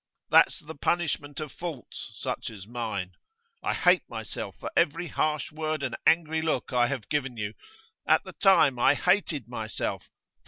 That's the punishment of faults such as mine. I hate myself for every harsh word and angry look I have given you; at the time, I hated myself!